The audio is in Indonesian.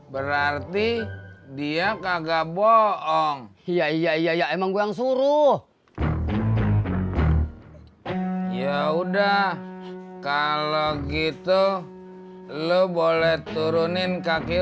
berarti dia kagak bohong iya iya iya emang gua yang suruh ya udah kalau gitu lo boleh turunin kaki